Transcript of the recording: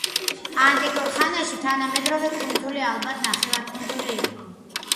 ანტიკურ ხანაში თანამედროვე კუნძული ალბათ ნახევარკუნძული იყო.